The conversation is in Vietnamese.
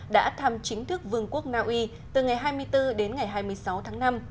đã thăm chính thức vương quốc naui từ ngày hai mươi bốn đến ngày hai mươi sáu tháng năm